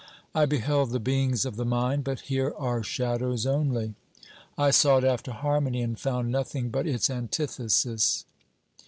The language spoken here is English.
I beheld the beings of the mind, but here are shadows only; I sought after harmony, and found nothing but its antithesis.